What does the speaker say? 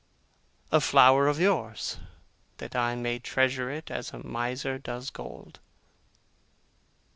'A flower of yours, that I may treasure it as a miser does gold.